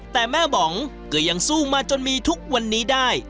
แต่แม่บองก็ยังสู้มาจนมีทุกวันนี้ได้